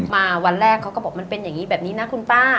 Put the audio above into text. วันแรกเขาก็บอกมันเป็นอย่างนี้แบบนี้นะคุณป้า